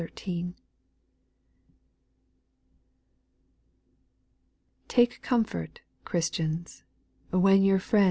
rPAKE comfort, Christians, when your friend?